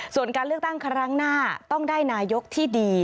ส่วนการเลือกตั้งครั้งหน้าต้องได้นายกที่ดี